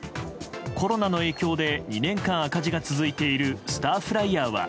コロナの影響で２年間赤字が続いているスターフライヤーは。